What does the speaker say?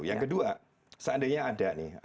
yang kedua seandainya ada nih